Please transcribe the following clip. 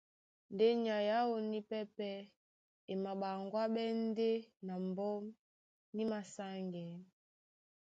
Ndé nyay aó nípɛ́pɛ̄ e maɓaŋgwáɓɛ́ ndeé na mbɔ́m ní māsáŋgɛɛ́.